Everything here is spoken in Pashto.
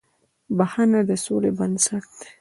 • بښنه د سولې بنسټ دی.